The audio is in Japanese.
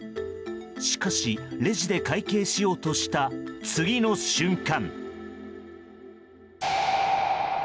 しかし、レジで会計しようとした次の瞬間。